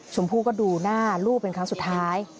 ชมพู่ก็ดูหน้าลูกเป็นครั้งสุดท้าย